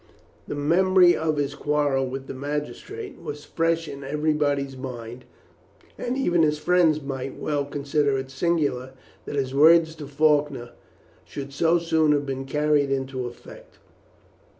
The memory of his quarrel with the magistrate was fresh in everybody's mind, and even his friends might well consider it singular that his words to Faulkner should so soon have been carried into effect.